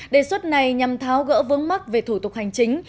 đề xuất này nhằm tháo gỡ vướng mắt về thủ tục hành chính